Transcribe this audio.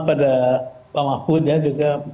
pada pak mahfud ya juga